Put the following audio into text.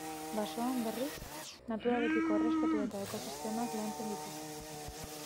Basoan, berriz, naturarekiko errespetua eta ekosistemak lantzen dituzte.